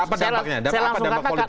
apa dampak politiknya anda melihat